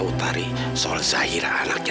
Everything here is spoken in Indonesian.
suami saya sudah mati